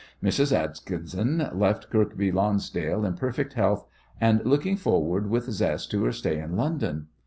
Mrs. Atkinson left Kirkby Lonsdale in perfect health, and looking forward with zest to her stay in London.